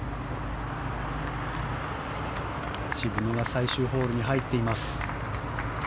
渋野は最終ホールに入っています。